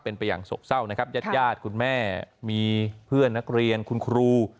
เป็นไปอย่างโศกเศร้านะครับญาติญาติคุณแม่มีเพื่อนนักเรียนคุณครู